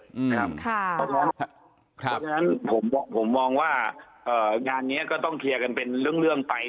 เพราะฉะนั้นผมมองว่างานนี้ก็ต้องเคลียร์กันเป็นเรื่องไป